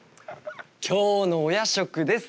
今日のお夜食です。